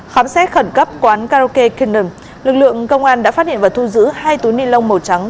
khám xét khẩn cấp quán karaoke kingdom lực lượng công an đã phát hiện và thu giữ hai túi nilon màu trắng